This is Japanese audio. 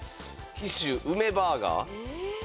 紀州梅バーガー。